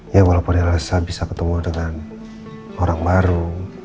ya walaupun ya saya bisa ketemu dengan orang baru